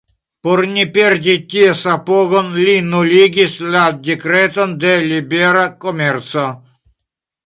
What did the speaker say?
Por ne perdi ties apogon, li nuligis la dekreton de libera komerco.